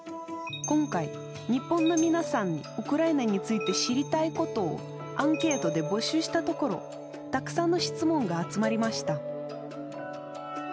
今回、日本の皆さんにウクライナについて知りたいことをアンケートで募集したところたくさんの質問が集まりました。